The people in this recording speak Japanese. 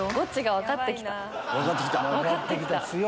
分かって来た！